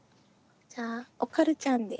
じゃあおかるちゃんで。